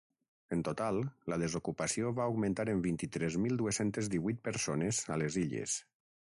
En total, la desocupació va augmentar en vint-i-tres mil dues-centes divuit persones a les Illes.